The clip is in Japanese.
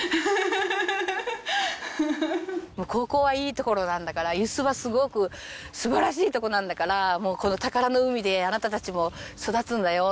ここはいい所なんだから遊子はすごく素晴らしい所なんだからもうこの宝の海であなたたちも育つんだよっていうか。